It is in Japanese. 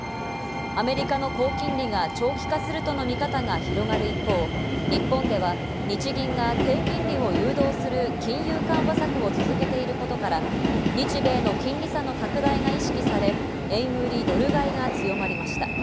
アメリカの高金利が長期化するとの見方が広がる一方、日本では日銀が低金利を誘導する金融緩和策を続けていることから、日米の金利差の拡大が意識され、円売り・ドル買いが強まりました。